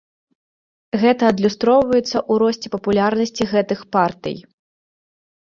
Гэта адлюстроўваецца ў росце папулярнасці гэтых партый.